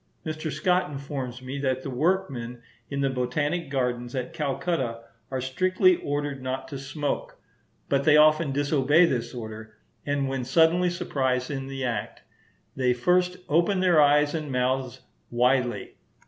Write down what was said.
Mr. Scott informs me that the workmen in the Botanic Gardens at Calcutta are strictly ordered not to smoke; but they often disobey this order, and when suddenly surprised in the act, they first open their eyes and mouths widely.